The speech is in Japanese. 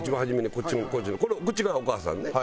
こっちのこっちがお母さんね。